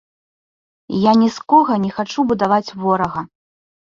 Я ні з кога не хачу будаваць ворага.